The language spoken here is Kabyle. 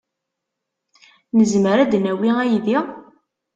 Nezmer ad d-nawi aydi?